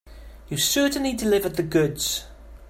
You certainly delivered the goods.